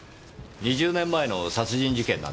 ２０年前の殺人事件なんですが。